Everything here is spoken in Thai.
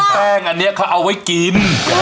แป้งอันนี้เขาเอาไว้กิน